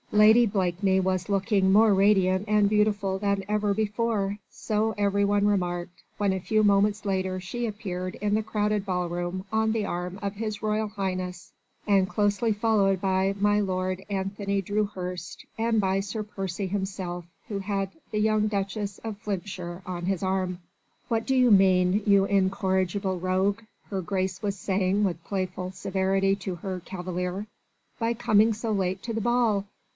Lady Blakeney was looking more radiant and beautiful than ever before, so everyone remarked, when a few moments later she appeared in the crowded ball room on the arm of His Royal Highness and closely followed by my lord Anthony Dewhurst and by Sir Percy himself, who had the young Duchess of Flintshire on his arm. "What do you mean, you incorrigible rogue," her Grace was saying with playful severity to her cavalier, "by coming so late to the ball?